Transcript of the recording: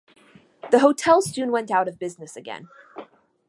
The hotel soon went out of business again.